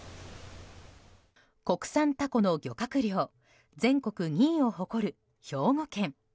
国産タコの漁獲量全国２位を誇る兵庫県。